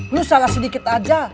lu salah sedikit aja